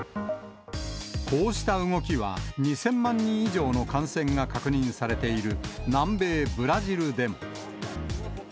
こうした動きは、２０００万人以上の感染が確認されている南米ブラジルでも。